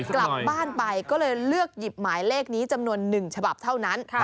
กลับบ้านไปก็เลยเลือกหยิบหมายเลขนี้จำนวน๑ฉบับเท่านั้น